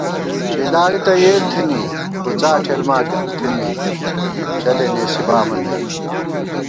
چِلانی تہ یېل تھنی، کُڅا ٹھیلماٹھیل تھنی، شلے نېسی بامہ نئ